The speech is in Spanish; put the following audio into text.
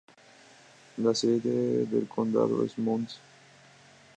La sede del condado es Mount Ayr.